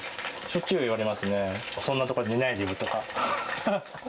しょっちゅう言われますね、そんなところで寝ないでよとか。